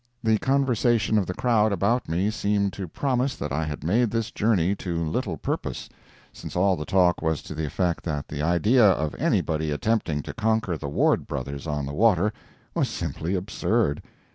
The conversation of the crowd about me seemed to promise that I had made this journey to little purpose, since all the talk was to the effect that the idea of anybody attempting to conquer the Ward brothers on the water was simply absurd.